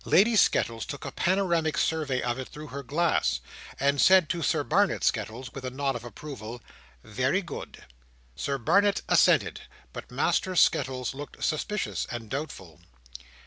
Lady Skettles took a panoramic survey of it through her glass, and said to Sir Barnet Skettles, with a nod of approval, "Very good." Sir Barnet assented, but Master Skettles looked suspicious and doubtful.